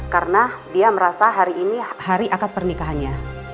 karena dia merasa hari ini hari akad pernikahannya